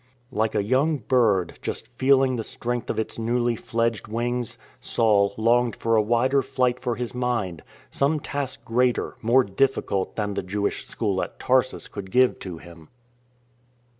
Like a young bird, just feeling the strength of its newly fledged wings, Saul longed for a wider flight for his mind — some task greater, more difficult than the Jewish School at Tarsus could give to him.